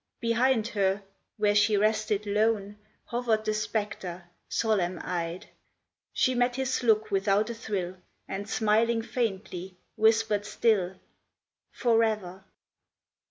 Behind her, where she rested lone, Hovered the spectre, solemn eyed ; She met his look without a thrill, And, smiling faintly, whispered still, " Forever